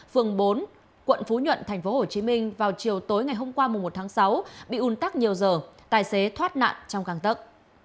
phường bốn quận phú nhuận tp hcm vào chiều tối ngày hôm qua một tháng sáu bị un tắc nhiều giờ tài xế thoát nạn trong căng tấc